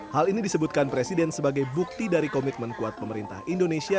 hal ini disebutkan presiden sebagai bukti dari komitmen kuat pemerintah indonesia